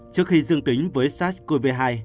trước khi dương tính với sars cov hai